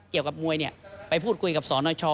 เกี่ยวกับมวยเนี่ยไปพูดคุยกับสอน้อยช้อ